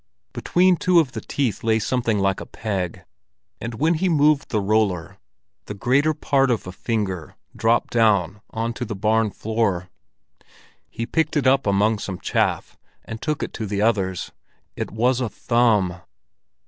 Between two of the teeth lay something like a peg, and when he moved the roller, the greater part of a finger dropped down on to the barn floor. He picked it up among some chaff, and took it to the others: it was a thumb!